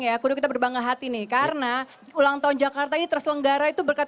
ya kudu kita berbangga hati nih karena ulang tahun jakarta ini terselenggara itu berkat